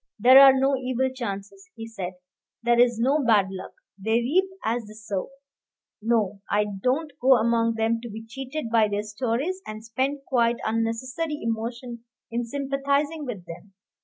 "There are no evil chances," he said; "there is no bad luck; they reap as they sow. No, I don't go among them to be cheated by their stories, and spend quite unnecessary emotion in sympathizing with them.